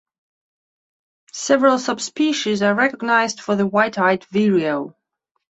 Several subspecies are recognized for the white-eyed vireo.